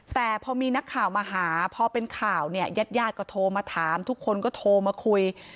แต่พอมีนักข่าวมาหาพอเป็นข่าวเนี่ยญาติญาติก็โทรมาถามทุกคนก็โทรมาคุย